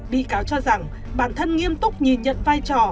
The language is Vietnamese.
bị cáo cho rằng bản thân nghiêm túc nhìn nhận vai trò